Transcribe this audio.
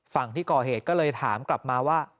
ฝั่งที่ก่อเหตุก็เลยถามกลับมาว่า